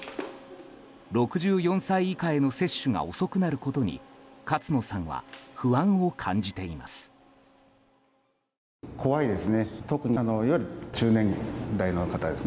６４歳以下への接種が遅くなることに勝野さんは不安を感じています。